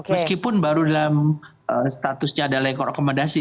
meskipun baru dalam statusnya ada leko rekomendasi